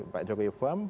pak jokowi paham